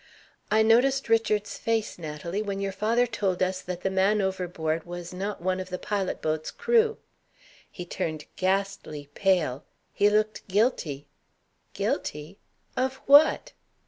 "I noticed Richard's face, Natalie, when your father told us that the man overboard was not one of the pilot boat's crew. He turned ghastly pale. He looked guilty " "Guilty? Of what?"